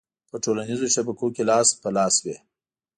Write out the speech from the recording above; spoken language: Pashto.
ه ټولنیزو شبکو کې لاس په لاس شوې